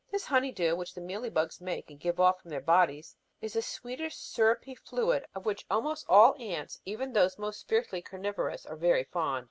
This "honey dew" which the mealy bugs make and give off from their bodies is a sweetish syrupy fluid of which almost all ants, even those most fiercely carnivorous, are very fond.